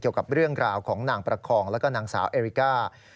เกี่ยวกับเรื่องราวของนางประคองแล้วก็นางสาวเอริก้า